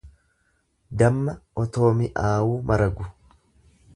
Damma otoo mi'aawu maragu.